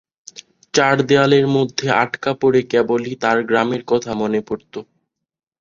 চার দেয়ালের মধ্যে আটকা পড়ে কেবলই তার গ্রামের কথা মনে পড়ত।